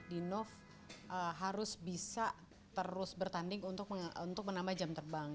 dinov harus bisa terus bertanding untuk menambah jam terbang